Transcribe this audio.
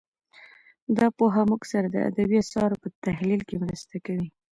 دا پوهه موږ سره د ادبي اثارو په تحلیل کې مرسته کوي